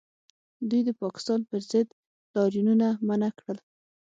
دوی د پاکستان پر ضد لاریونونه منع کړل